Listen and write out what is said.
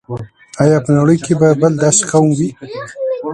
آیا په نړۍ کې به بل داسې قوم وي.